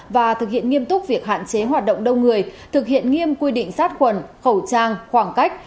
và thực hiện nghiêm túc việc hạn chế hoạt động đông người thực hiện nghiêm quy định sát khuẩn khẩu trang khoảng cách